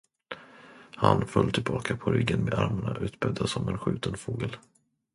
Han föll tillbaka på ryggen med armarna utbredda som en skjuten fågel.